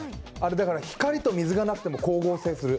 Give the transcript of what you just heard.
だから光と水がなくても光合成する。